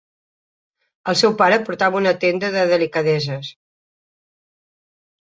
El seu pare portava una tenda de delicadeses.